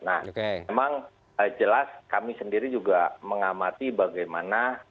nah memang jelas kami sendiri juga mengamati bagaimana